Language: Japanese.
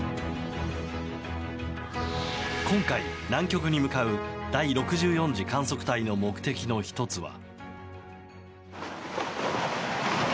今回、南極に向かう第６４次観測隊の目的の１つは。